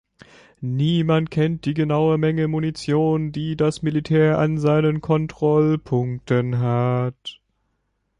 Niemand kennt die genaue Menge Munition, die das Militär an seinen Kontrollpunkten hat.